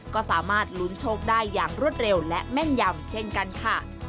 ก็สามารถลุ้นโชคได้อย่างรวดเร็วและแม่นยำเช่นกันค่ะ